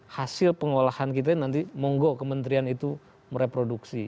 hasil pengolahan kita nanti monggo kementerian itu mereproduksi